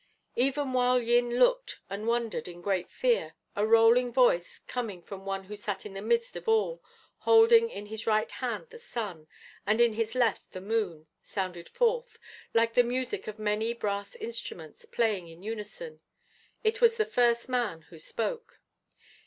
Even while Yin looked and wondered, in great fear, a rolling voice, coming from one who sat in the midst of all, holding in his right hand the sun, and in his left the moon, sounded forth, like the music of many brass instruments playing in unison. It was the First Man who spoke.